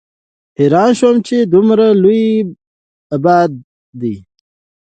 حېران شوم چې دومره لويه ابادي ده